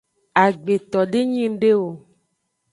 Agbeto de nyi ngde o.